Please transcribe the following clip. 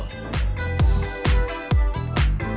kita bisa menikmati panggilan yang menarik